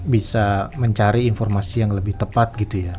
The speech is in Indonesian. bisa mencari informasi yang lebih tepat gitu ya